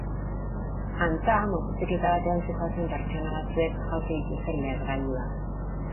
Antza, motozikleta batean zihoazen pertsona batzuek jaurti dituzte lehergailuak.